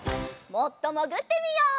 もっともぐってみよう。